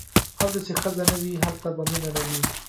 هلته چې ښځه نه وي هلته به مینه نه وي.